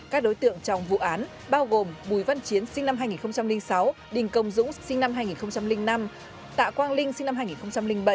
các đối tượng trong vụ án bao gồm bùi văn chiến sinh năm hai nghìn sáu đình công dũng sinh năm hai nghìn năm tạ quang linh sinh năm hai nghìn bảy